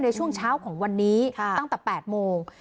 ในช่วงเช้าของวันนี้ตั้งแต่๘โมง